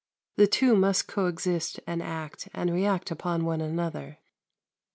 The two must co exist and act and react upon one another.